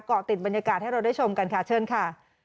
เกาะติดบรรยากาศให้เราได้ชมกันค่ะเชิญค่ะ